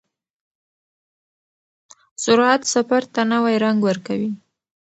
سرعت سفر ته نوی رنګ ورکوي.